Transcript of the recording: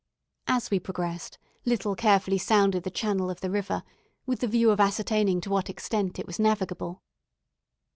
As we progressed, Little carefully sounded the channel of the river, with the view of ascertaining to what extent it was navigable.